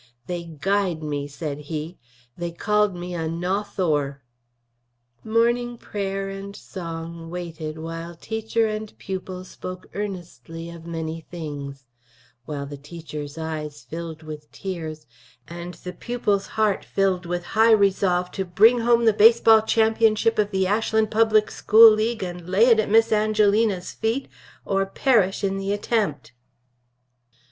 "They guyed me," said he. "They called me a Nawthour." Morning prayer and song waited while teacher and pupil spoke earnestly of many things; while the teacher's eyes filled with tears, and the pupil's heart filled with high resolve to bring home the baseball championship of the Ashland Public School League and lay it at Miss Angelina's feet, or perish in the attempt.